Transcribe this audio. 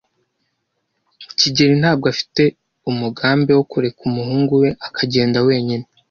kigeli ntabwo afite umugambi wo kureka umuhungu we akagenda wenyine.